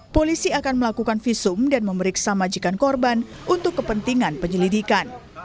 polisi akan melakukan visum dan memeriksa majikan korban untuk kepentingan penyelidikan